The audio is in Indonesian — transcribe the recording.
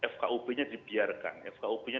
fkub nya dibiarkan fkub nya